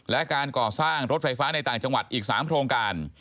และการก่อสร้างรถไฟฟ้าในต่างจังหวัดอีก๓โครงการ